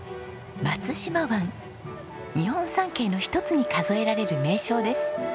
日本三景の一つに数えられる名勝です。